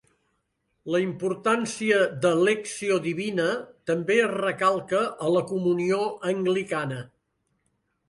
La importància de "Lectio Divina" també es recalca a la Comunió anglicana.